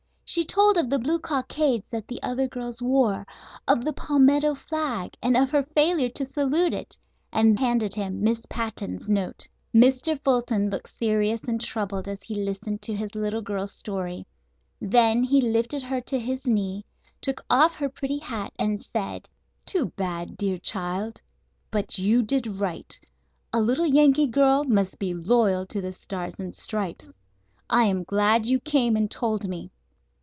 She told of the blue cockades that the other girls wore, of the palmetto flag, and of her failure to salute it, and handed him Miss Patten's note. Mr. Fulton looked serious and troubled as he listened to his little girl's story. Then he lifted her to his knee, took off her pretty hat, and said: "Too bad, dear child! But you did right. A little Yankee girl must be loyal to the Stars and Stripes. I am glad you came and told me."